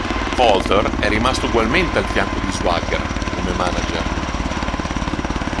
Colter è rimasto ugualmente al fianco di Swagger come manager.